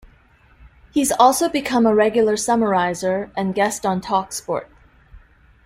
He's also become a regular summariser and guest on Talksport.